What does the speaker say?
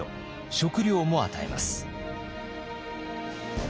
食料も与えます。